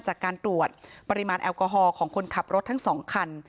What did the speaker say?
จากการตรวจปริมาณแอลกอฮอลของคนขับรถทั้ง๒คัน